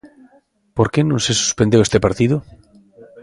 Por que non se suspendeu este partido?